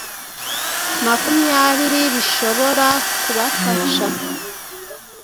makumyabiri bishobora kubafasha